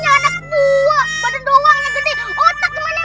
punya anak tua pada doang yang gede otak manemane